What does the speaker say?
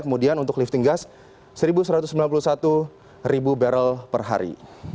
kemudian untuk lifting gas satu satu ratus sembilan puluh satu barrel per hari